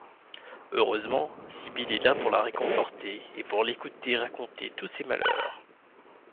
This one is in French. Heureusement, Sybil est là pour la réconforter et pour l'écouter raconter tous ses malheurs.